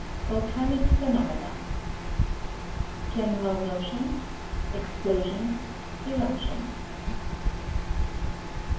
VOLCANIC PHENOMENA. 10. General notion Explosion Eruption.